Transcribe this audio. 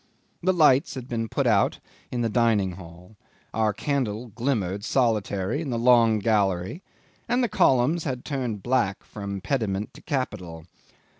The lights had been put out in the dining hall; our candle glimmered solitary in the long gallery, and the columns had turned black from pediment to capital.